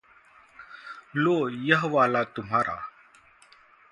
लो, यह वाला तुम्हारा।